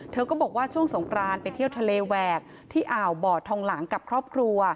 ก็บอกว่าช่วงสงครานไปเที่ยวทะเลแหวกที่อ่าวบอดทองหลังกับครอบครัว